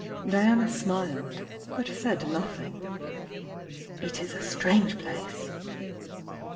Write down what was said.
Diana smiled, but said nothing. "It is a strange place!"